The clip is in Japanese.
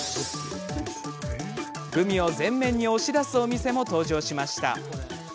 グミを前面に押し出すお店も登場しました。